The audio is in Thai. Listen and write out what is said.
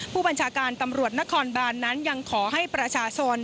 ผู้บัญชาการตำรวจนครบานนั้นยังขอให้ประชาชน